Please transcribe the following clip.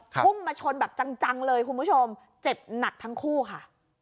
พุ่งมาชนแบบจังเลยคุณผู้ชมเจ็บหนักทั้งคู่ค่ะ